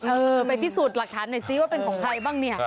เออไปพิสูจน์หลักฐานหน่อยซิว่าเป็นของใครบ้างเนี่ย